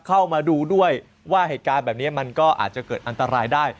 เข้ามาดูด้วยว่าเหตุการณ์แบบนี้มันก็อาจจะเกิดอันตรายได้